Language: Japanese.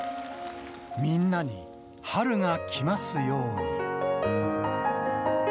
みんなに春が来ますように。